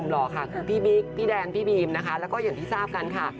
แล้วก็อย่างที่ทราบกันค่ะ